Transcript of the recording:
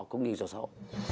cũng như do sâu